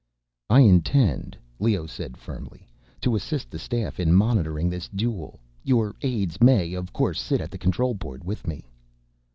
"I intend," Leoh said firmly, "to assist the staff in monitoring this duel. Your aides may, of course, sit at the control board with me."